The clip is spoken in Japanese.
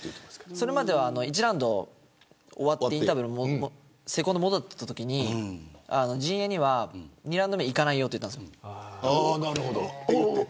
それまでは１ラウンド終わってインターバル、セコンド戻ってきたときに陣営には２ラウンド目いかないよと言ったんです。